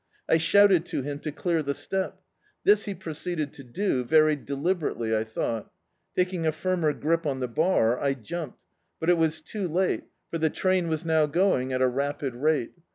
I shouted to him to clear the step. This he proceeded to do, very deliberately, I thought Taking a firmer grip on the bar, I jumped, but it was too late, for the train was now going at a rapid rate.